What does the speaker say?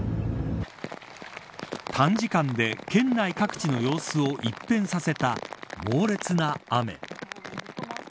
短時間で県内各地の様子を一変させた猛烈な雨。